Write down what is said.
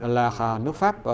là nước pháp